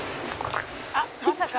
「あっまさか？」